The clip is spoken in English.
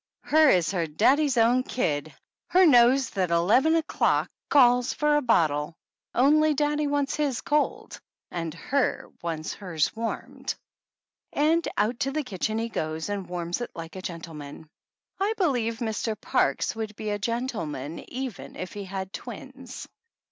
Her is her daddy's own kid her knows that eleven o'clock calls for a bottle, only daddy wants his cold, and her wants hers warmed!" And out to the kitchen he goes and warms it like a gentleman. I be lieve Mr. Parkes would be a gentleman even if he had twins.